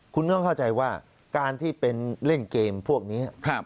คุณต้องเข้าใจว่าการที่เป็นเล่นเกมพวกนี้